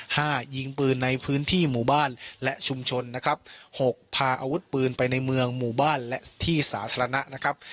ห้ายิงปืนในพื้นที่หมู่บ้านและชุมชนนะครับหกพาอาวุธปืนไปในเมืองหมู่บ้านและที่สาธารณะนะครับ